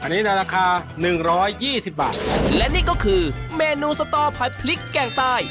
อันนี้ในราคาหนึ่งร้อยยี่สิบบาทและนี่ก็คือเมนูสตอผัดพริกแกงใต้